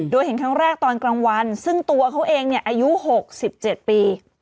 โดยเห็นครั้งแรกตอนกลางวันซึ่งตัวเขาเองอายุ๖๗ปี